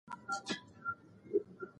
امر باید د اصولو مطابق وي.